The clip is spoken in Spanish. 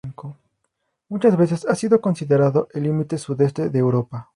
Muchas veces ha sido considerado el límite sudeste de Europa.